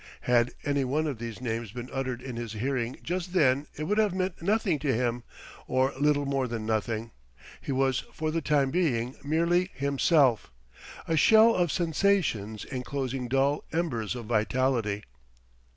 Had any one of these names been uttered in his hearing just then it would have meant nothing to him or little more than nothing: he was for the time being merely himself, a shell of sensations enclosing dull embers of vitality.